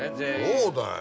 そうだよ